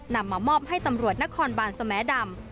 นำมามอบให้ตำรวจนครบานสแมดำ